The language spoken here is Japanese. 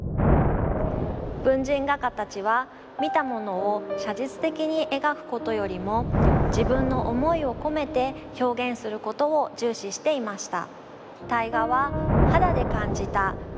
文人画家たちは見たものを写実的に描くことよりも自分の思いを込めて表現することを重視していました。